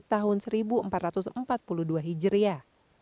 tahun seribu empat ratus empat puluh dua hijriah